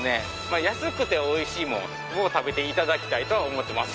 安くておいしいものを食べていただきたいとは思ってます。